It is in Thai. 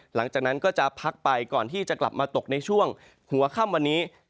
หลังจากนั้นก็จะพักไปก่อนที่จะกลับมาตกในช่วงหัวค่ำวันนี้